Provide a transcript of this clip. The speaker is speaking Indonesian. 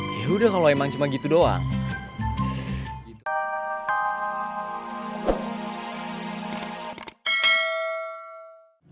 yaudah kalau emang cuma gitu doang